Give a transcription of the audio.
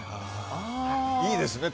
いいですね。